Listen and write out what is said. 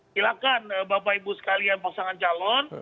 silahkan bapak ibu sekalian pasangan calon